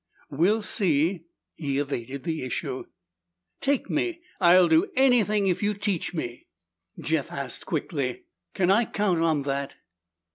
"We'll see," he evaded the issue. "Take me! I'll do anything if you'll teach me!" Jeff asked quickly, "Can I count on that?"